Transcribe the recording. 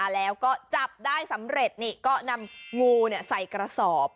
แล้วก็จับได้สำเร็จนี่ก็นำงูใส่กระสอบ